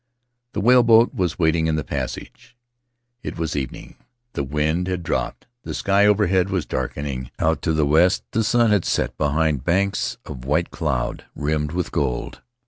The whaleboat was waiting in the passage. It was evening. The wind had dropped; the sky overhead was darkening; out to the west the sun had set behind banks of white cloud rimmed with gold.